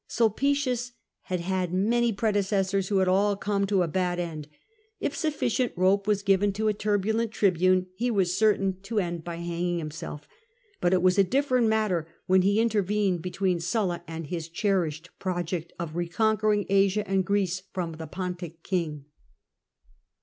Sulpicius had had many predecessors who had all come to a bad end : if sufidcient rope was given to a turbulent tribune, he was certain to end by hanging himself. But it was a different matter when he intervened between Sulla and his cherished project of reconquering Asia and Greece from the Pontic king.